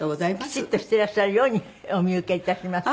きちっとしてらっしゃるようにお見受けいたします。